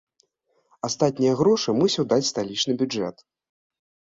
Астатнія грошы мусіў даць сталічны бюджэт.